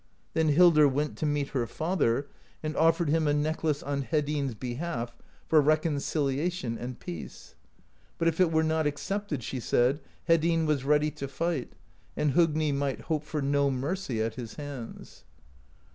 Then Hildr went to meet her father, and offered him a necklace on Hedinn's behalf, for reconciliation and peace; but if it were not accepted, she said, Hedinn v/as ready to fight, and Hogni might hope for no mercy at his hands.